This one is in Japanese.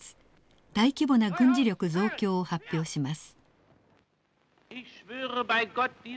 大規模な軍事力増強を発表します。